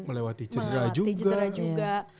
melewati cedera juga